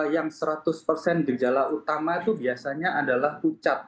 yang seratus persen gejala utama itu biasanya adalah pucat